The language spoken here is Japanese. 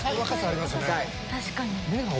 確かに。